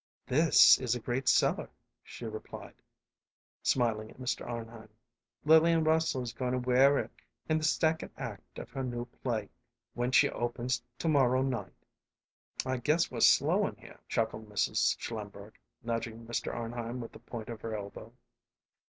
"This is a great seller," she replied, smiling at Mr. Arnheim. "Lillian Russell is going to wear it in the second act of her new play when she opens to morrow night." "I guess we're slow in here," chuckled Mrs. Schlimberg, nudging Mr. Arnheim with the point of her elbow.